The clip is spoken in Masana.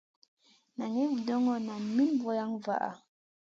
Naŋay vudoŋo, nan min vulaŋ vaʼa.